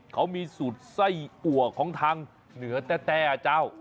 เขามีสูตรไส้อัวของทางเหนือแต้เจ้า